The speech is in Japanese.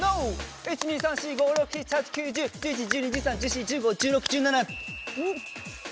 １２３４５６７８９１０１１１２１３１４１５１６１７。